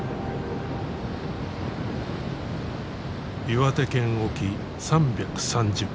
岩手県沖３３０キロ。